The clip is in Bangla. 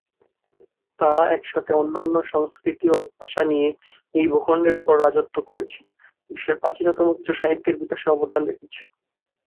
তারা একসাথে অনন্য সংস্কৃতি ও ভাষা নিয়ে এই ভূখণ্ডের উপরে রাজত্ব করেছে, বিশ্বের প্রাচীনতম কিছু সাহিত্যের বিকাশে অবদান রেখেছে।